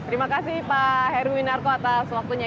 terima kasih pak heruwin narko atas waktunya